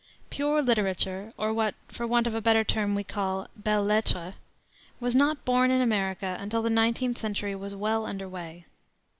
Pure literature, or what, for want of a better term we call belles lettres, was not born in America until the nineteenth century was well under way.